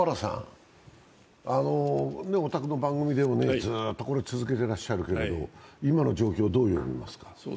お宅の番組でもずっとこれを続けていらっしゃいますけど、今の状況をどう読みますか？